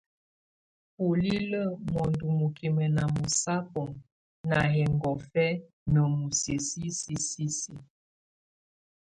Bulílə mɔndɔ mukimə ná mɔsábɔ ná hɛngɔfɛ́ ná musiə sisisisi.